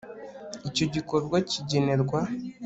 icyo igikorwa kigenerwa